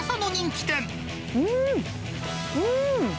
うーん、うーん。